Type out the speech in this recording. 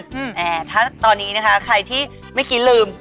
แต่ถ้าตอนนี้นะคะใครที่ไม่คิดลืม